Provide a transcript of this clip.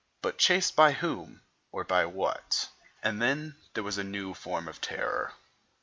But chased by whom, or by what? And then there was a new form of terror.